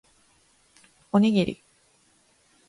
おにぎり